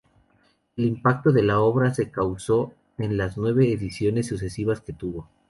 El impacto de la obra se acusó en las nueve ediciones sucesivas que tuvo.